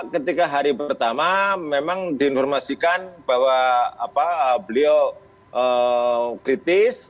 ketika hari pertama memang diinformasikan bahwa beliau kritis